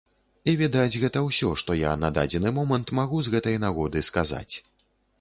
І, відаць, гэта ўсё, што я на дадзены момант магу з гэтай нагоды сказаць.